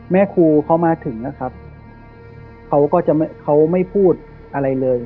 แม่ครูเขามาถึงนะครับเขาก็จะเขาไม่พูดอะไรเลย